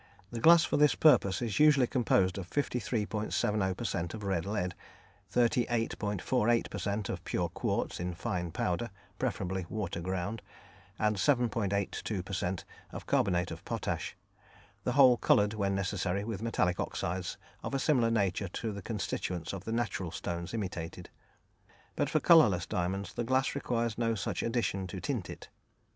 The glass for this purpose is usually composed of 53.70 per cent. of red lead, 38.48 per cent. of pure quartz in fine powder, preferably water ground, and 7.82 per cent. of carbonate of potash, the whole coloured when necessary with metallic oxides of a similar nature to the constituents of the natural stones imitated. But for colourless diamonds, the glass requires no such addition to tint it.